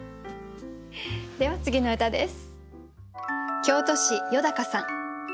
では次の歌です。